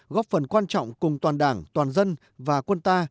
góp phần quan trọng cùng toàn đảng toàn dân và quân ta